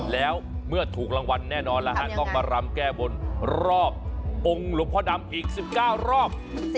แล้วเมื่อถูกรางวัลแน่นอนแล้วฮะต้องมารำแก้บนรอบองค์หลวงพ่อดำอีก๑๙รอบ